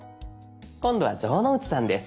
今度は城之内さんです。